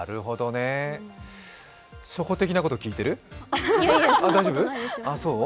初歩的なこと聞いてる、大丈夫？